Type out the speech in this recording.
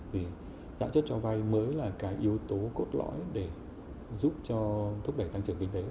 vì lãi suất cho vay mới là cái yếu tố cốt lõi để giúp cho thúc đẩy tăng trưởng kinh tế